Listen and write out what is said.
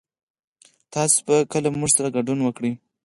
تاسو به کله موږ سره ګډون وکړئ